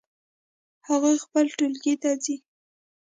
هغوی خپل ټولګی ته ځي